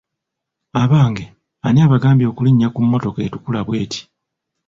Abange, ani abagambye okulinnya ku mmotoka etukula bweti ?